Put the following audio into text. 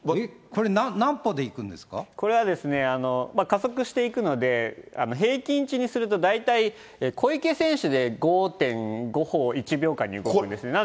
これは加速していくので、平均値にすると、大体、小池選手で５．５歩、１秒間にですね、動くんですね。